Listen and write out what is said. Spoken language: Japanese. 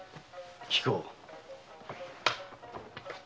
聞こう。